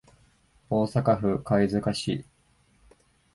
大阪府貝塚市